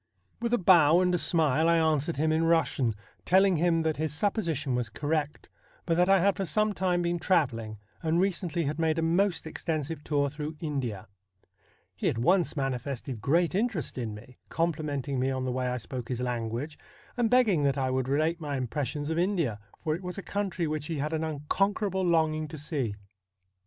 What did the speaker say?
' With a bow and a smile I answered him in Eussian, telling him that his supposition was correct, but that I had for some time been travelling, and recently had made a most THE BLUE STAR 27 extensive tour through India. He at once manifested great interest in me ; complimenting me on the way I spoke his language, and begging that I would relate my impressions of India, for it was a country which he had an unconquerable longing to see.